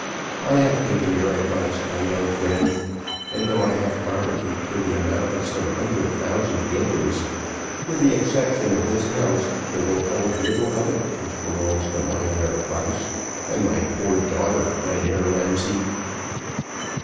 I have taken your advice my young friend, and, though I have property to the amount of some hundred thousand guilders, with the exception of this house they will hold little of it which belongs to Mynheer Krause. And my poor daughter, Mynheer Ramsay!"